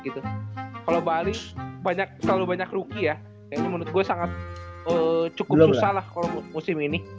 gitu kalau bali banyak kalau banyak ruki ya yang menurut gue sangat cukup salah kalau musim ini